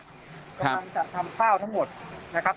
กำลังจัดทำข้าวทั้งหมดนะครับ